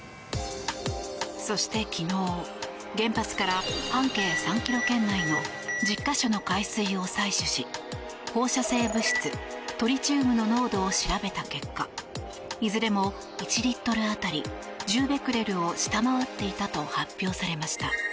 そして昨日原発から半径３ｋｍ圏内の１０か所の海水を採取し放射性物質トリチウムの濃度を調べた結果いずれも１リットル当たり１０ベクレルを下回っていたと発表されました。